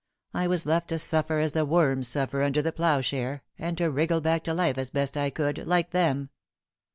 I was left to suffer as the worms suffer under the ploughshare, and to wriggle back to life as best I could, like them."